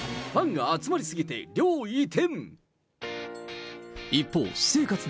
ファンが集まり過ぎて、寮移転。